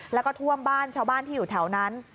แล้วก็ท่วมบ้านชาวบ้านที่อยู่แถวนั้น